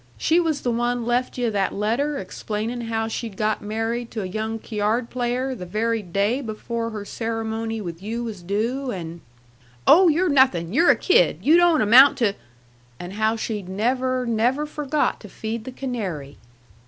She was the one left yu' that letter explaining how she'd got married to a young cyard player the very day before her ceremony with you was due, and " "Oh, you're nothing; you're a kid; you don't amount to "" and how she'd never, never forgot to feed the canary."